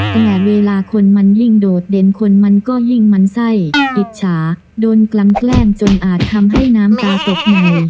แต่เวลาคนมันยิ่งโดดเด่นคนมันก็ยิ่งมันไส้อิจฉาโดนกลัมแกล้งจนอาจทำให้น้ำตาตกอยู่